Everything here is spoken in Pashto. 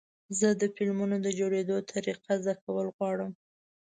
زه د فلمونو د جوړېدو طریقه زده کول غواړم.